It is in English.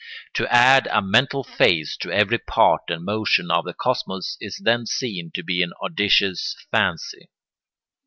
To add a mental phase to every part and motion of the cosmos is then seen to be an audacious fancy.